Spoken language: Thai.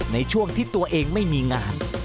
ในช่วงที่ตัวเองไม่มีงาน